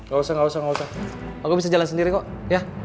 gak usah nggak usah nggak usah aku bisa jalan sendiri kok ya